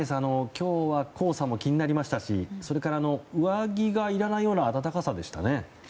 今日は黄砂も気になりましたしそれから、上着がいらないような暖かさでしたね。